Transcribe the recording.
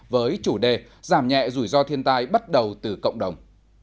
với chủ đề giảm nhẹ rủi ro thiên tai bắt đầu từ cộng đồng